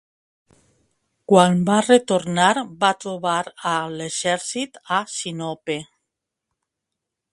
Quan va retornar va trobar a l'exèrcit a Sinope.